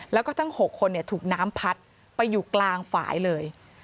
แล้วก็ทั้ง๖คนถูกน้ำพัดไปอยู่กลางฝ่ายเลย